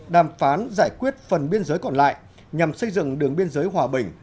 đàm phán giải quyết phần biên giới còn lại nhằm xây dựng đường biên giới hòa bình